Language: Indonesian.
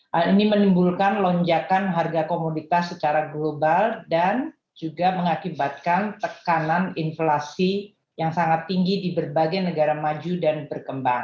hal ini menimbulkan lonjakan harga komoditas secara global dan juga mengakibatkan tekanan inflasi yang sangat tinggi di berbagai negara maju dan berkembang